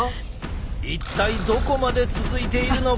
一体どこまで続いているのか。